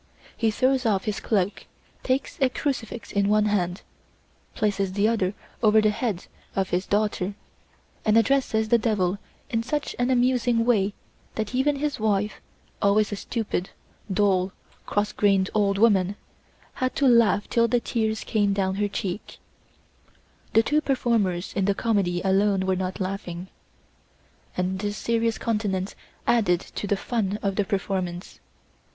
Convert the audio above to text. He throws off his cloak, takes a crucifix with one hand, places the other over the head of his daughter, and addresses the devil in such an amusing way that even his wife, always a stupid, dull, cross grained old woman, had to laugh till the tears came down her cheeks. The two performers in the comedy alone were not laughing, and their serious countenance added to the fun of the performance.